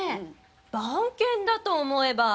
番犬だと思えば。